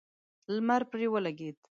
لمر پرې ولګېد.